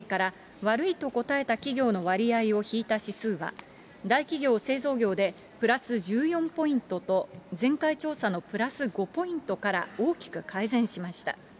日銀短観の６月の調査で、景気がよいと答えた企業の割合から悪いと答えた企業の割合を引いた指数は、大企業・製造業でプラス１４ポイントと、前回調査のプラス５ポイントから大きく改善しました。